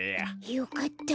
よかった。